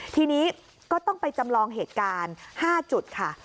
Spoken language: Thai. ทีนี้ก็ต้องไปจำลองเหตุการณ์๕จุดค่ะ